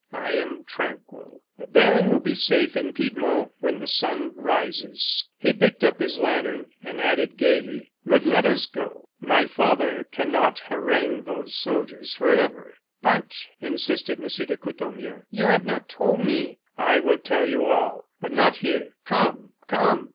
I am tranquil. The baron will be safe in Piedmont when the sun rises." He picked up his lantern, and added, gayly: "But let us go my father cannot harangue those soldiers forever." "But," insisted M. de Courtornieu, "you have not told me " "I will tell you all, but not here. Come, come!"